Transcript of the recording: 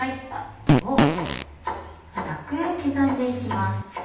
これを粗く刻んでいきます。